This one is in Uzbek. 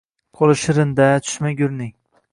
Qo`li shirin-da tushmagurning